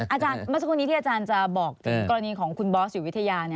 เมื่อสักครู่นี้ที่อาจารย์จะบอกถึงกรณีของคุณบอสอยู่วิทยา